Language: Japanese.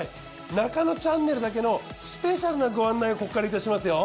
『ナカノチャンネル』だけのスペシャルなご案内をここからいたしますよ。